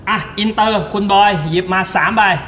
อ่ะอินเตอร์คุณบอยเหยียบมา๓ใบ